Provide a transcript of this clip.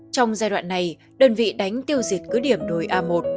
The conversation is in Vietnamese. trong giai đoạn này đơn vị đánh tiêu diệt cứ điểm đồi a một